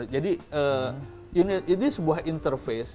jadi ini sebuah interface